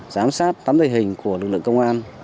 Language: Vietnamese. giám sát tấm thể hình của lực lượng công an